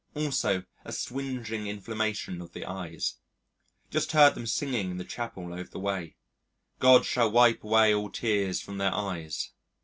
Also a swingeing inflammation of the eyes. Just heard them singing in the Chapel over the way: "God shall wipe away all tears from their eyes."